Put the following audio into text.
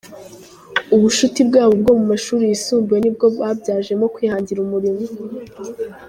Ubushuti bwabo bwo mu mashuri yisumbuye nibwo babyajemo kwihangira umurimo.